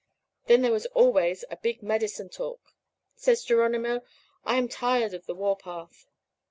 Then there was always a big medicine talk. Says Geronimo: "'I am tired of the warpath.